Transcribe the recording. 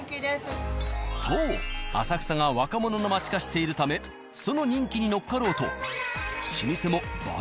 そう浅草が若者の街化しているためその人気に乗っかろうと老舗も映え